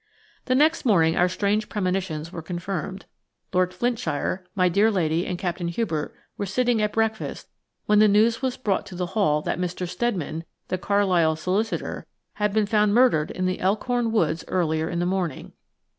The next morning our strange premonitions were confirmed. Lord Flintshire, my dear lady, and Captain Hubert were sitting at breakfast when the news was brought to the Hall that Mr. Steadman, the Carlisle solicitor, had been found murdered in the Elkhorn Woods earlier in the morning.